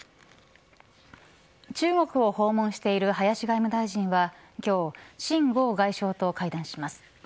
中国を訪問している林外務大臣は今日泰剛外相と会談します。